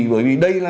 bởi vì đây là